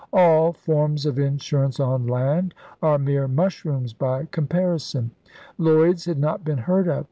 All forms of insurance on land are mere mushrooms by com parison. Lloyd's had not been heard of.